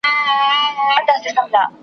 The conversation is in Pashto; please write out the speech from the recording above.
نه تميز د ښو او بدو به اوس كېږي .